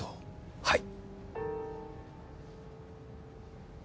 はい。